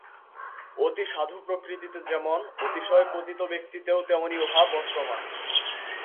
অতি সাধু প্রকৃতিতে যেমন, অতিশয় পতিত ব্যক্তিতেও তেমনি উহা বর্তমান।